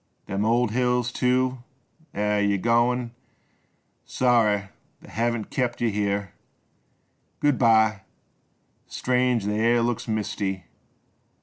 Them old hills, too — eh ! Yer goin' ? Sorry t' hev kept yuh here. Good by ! Strange th' air looks misty